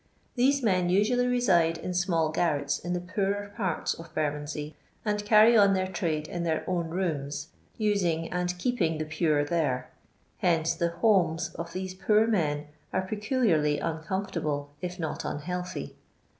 These men usually reside in small gar rets in the poorer parts of Bermondsey, and carry on their trade in their own rooms, using and keeping tho pure there ; hence the " homes" of these poor men are peculiarly uncomfortable, if not unhealthy.